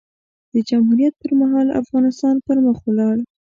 د جمهوریت پر مهال؛ افغانستان پر مخ ولاړ.